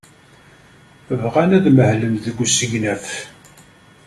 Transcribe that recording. Bɣan ad mahlen deg usegnaf.